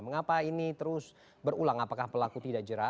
mengapa ini terus berulang apakah pelaku tidak jerah